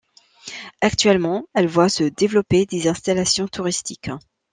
Actuellement, elle voit se développer des installations touristiques.